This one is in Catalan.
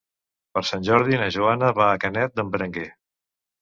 Per Sant Jordi na Joana va a Canet d'en Berenguer.